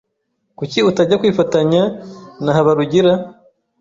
Kuki utajya kwifatanya na Habarugira?